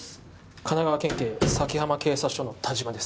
神奈川県警先浜警察署の田島です